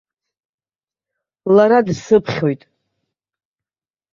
Лара дсыԥхьоит!